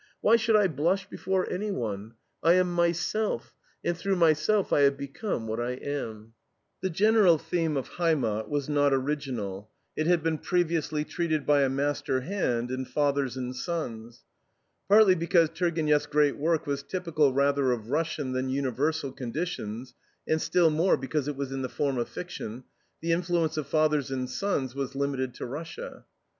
Why should I blush before anyone? I am myself, and through myself I have become what I am." The general theme of HEIMAT was not original. It had been previously treated by a master hand in FATHERS AND SONS. Partly because Turgeniev's great work was typical rather of Russian than universal conditions, and still more because it was in the form of fiction, the influence of FATHERS AND SONS was limited to Russia.